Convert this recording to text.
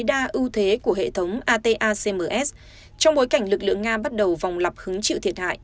đa ưu thế của hệ thống ata cms trong bối cảnh lực lượng nga bắt đầu vòng lập hứng chịu thiệt hại